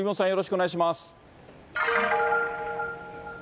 よろしくお願いします。